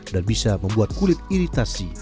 dan bisa membuat kulit iritasi